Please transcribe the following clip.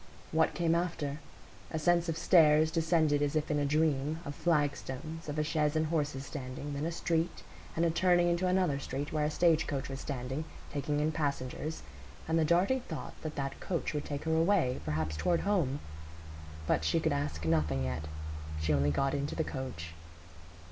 What came after? A sense of stairs descended as if in a dream, of flagstones, of a chaise and horses standing, then a street, and a turning into another street where a stage coach was standing, taking in passengers, and the darting thought that that coach would take her away, perhaps toward home. But she could ask nothing yet; she only got into the coach.